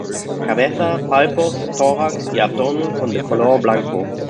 Cabeza, palpos, tórax y abdomen son de color blanco.